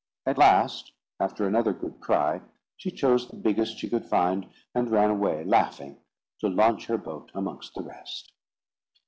At last, after another good cry, she chose the biggest she could find, and ran away laughing, to launch her boat amongst the rest.